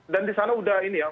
dan di sana udah ini ya